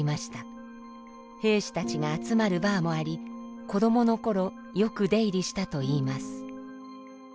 兵士たちが集まるバーもあり子供の頃よく出入りしたといいます。